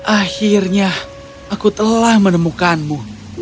akhirnya aku telah menemukanmu